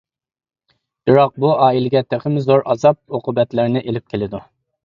بىراق، بۇ ئائىلىگە تېخىمۇ زور ئازاب-ئوقۇبەتلەرنى ئېلىپ كېلىدۇ.